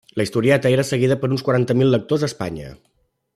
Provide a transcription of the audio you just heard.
La historieta era seguida per uns quaranta mil lectors a Espanya.